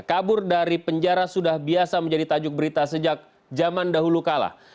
kabur dari penjara sudah biasa menjadi tajuk berita sejak zaman dahulu kalah